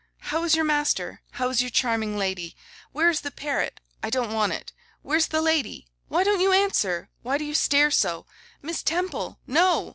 How is your master? How is your charming lady? Where is the parrot? I don't want it. Where's the lady? Why don't you answer? Why do you stare so? Miss Temple! no!